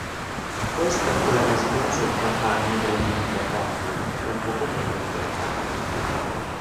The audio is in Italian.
Questa fu la residenza di campagna della famiglia Portman per poco meno di trent'anni.